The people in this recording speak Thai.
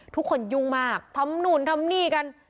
ทุกคนยุงมากทำหนุนทำหนี้กัน